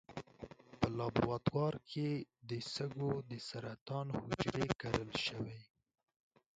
په لابراتوار کې د سږو د سرطان حجرې کرل شوي.